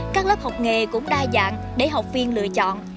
các lớp học nghề cũng đa dạng để học viên lựa chọn